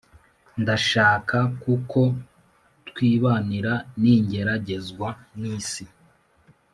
Ndashaka kuko twibanira ningeragezwa nisi